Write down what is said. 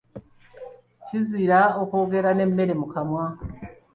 Kizira okwogera n'emmere mu kamwa.